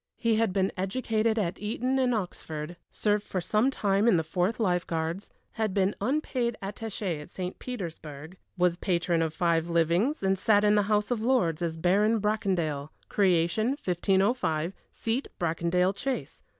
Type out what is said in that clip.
He had been educated at Eton and Oxford, served for some time in the Fourth Lifeguards, been unpaid attaché at St. Petersburg, was patron of five livings, and sat in the House of Lords as Baron Bracondale; creation, 1505; seat, Bracondale Chase.